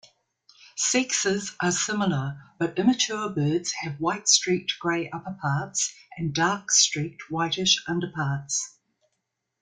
Sexes are similar, but immature birds have white-streaked grey upperparts and dark-streaked whitish underparts.